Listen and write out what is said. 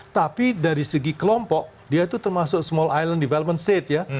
tapi dari segi kelompok dia itu termasuk small island development state ya